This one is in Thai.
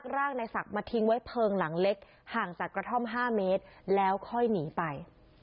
ร่างในศักดิ์มาทิ้งไว้เพลิงหลังเล็กห่างจากกระท่อม๕เมตรแล้วค่อยหนีไป